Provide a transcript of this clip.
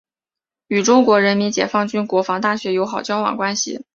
与中国人民解放军国防大学友好交往关系。